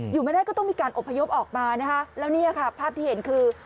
อยู่ไม่ได้ก็ต้องมีการอบพยพออกมานะคะแล้วเนี่ยค่ะภาพที่เห็นคือ